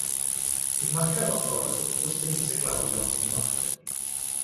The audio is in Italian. Il mancato accordo costrinse Claudio a combatterli.